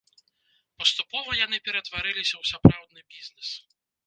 Паступова яны ператварыліся ў сапраўдны бізнес.